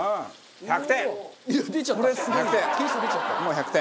１００点。